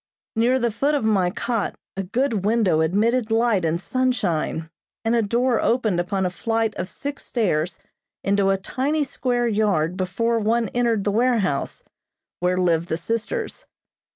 Near the foot of my cot a good window admitted light and sunshine, and a door opened upon a flight of six stairs into a tiny square yard before one entered the warehouse, where lived the sisters.